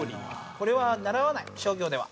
これは習わない商業では。